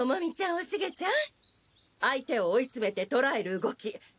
おシゲちゃん相手を追いつめてとらえる動きすばらしいわ。